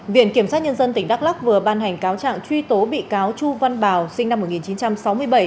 viện kiểm sát nhân dân tỉnh đắk lắc vừa ban hành cáo trạng truy tố bị cáo chu văn bảo sinh năm một nghìn chín trăm sáu mươi bảy